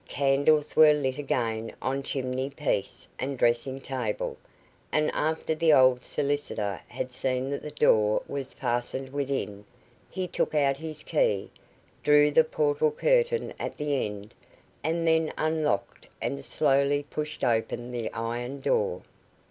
Candles were lit again on chimney piece and dressing table, and after the old solicitor had seen that the door was fastened within, he took out his key, drew the portal curtain at the end, and then unlocked and slowly pushed open the iron door.